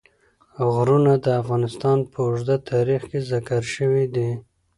غرونه د افغانستان په اوږده تاریخ کې ذکر شوی دی.